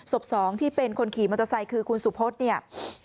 ศพสองที่เป็นคนขี่มอเตอร์ไซค์คือคุณสุพธเนี่ย